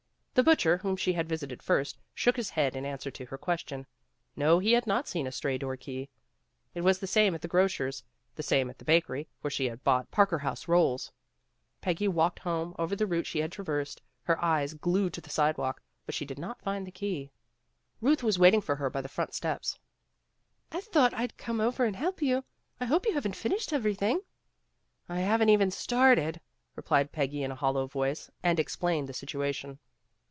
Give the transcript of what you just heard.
The butcher, whom she had visited first, shook his head in answer to her question. No, he had not seen a stray door key. It was the same at the gro .cer's, the same at the bakery where she had bought Parker house rolls. Peggy walked home over the route she had traversed, her eyes PEGGY GIVES A DINNER 191 glued to the side walk, but she did not find the key. Ruth was waiting for her by the front steps. '' I thought I 'd come over and help you. I hope you haven't finished everything." '' I haven 't even started, '' replied Peggy in a hollow voice, and explained the situation.